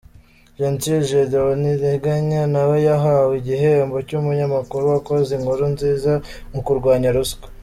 Gentil Gedeon Ntirenganya nawe yahawe igihembo cy’umunyamakuru wakoze inkuru nziza mu kurwanya ruswa.